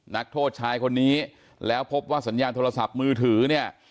นักโทษชายคนนี้แล้วพบว่าสัญญาณโทรศัพท์มือถือเนี่ย